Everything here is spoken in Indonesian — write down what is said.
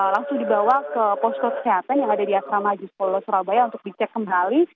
langsung dibawa ke posko kesehatan yang ada di asrama haji sukolo surabaya untuk dicek kembali